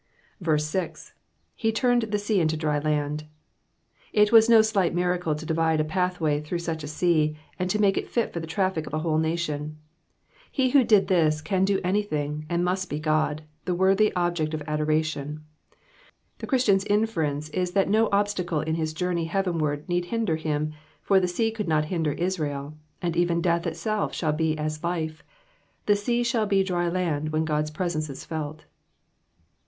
C. ^^Ile turned the sea into dry land,^^ It was no slight miracle to divide a pathway through such a sea, and to make it fit for the trafiic of a whole nation, lie who did this can do anything, and must be God, the worthy object of adora tion. The Christian's inference is that no obstacle in his journey heavenward need hinder him, for the sea could not hinder Israel, and even death itself shall be as life ; the sea shall be dry land when God's presence is felt.